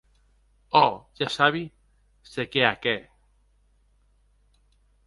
Ò!, ja sabi se qué ac hè!